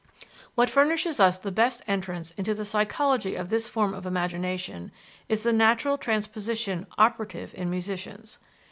What furnishes us the best entrance into the psychology of this form of imagination is the natural transposition operative in musicians.